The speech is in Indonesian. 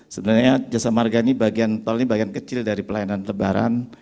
sebenarnya jasa marga ini bagian tol ini bagian kecil dari pelayanan lebaran